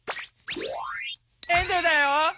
エンドゥだよ！